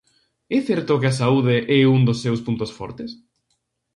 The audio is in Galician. É certo que a saúde é un dos seus puntos fortes?